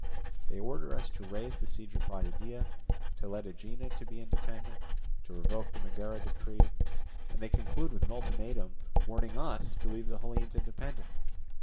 They order us to raise the siege of Potidæa, to let Aegina be independent, to revoke the Megara decree; and they conclude with an ultimatum warning us to leave the Hellenes independent.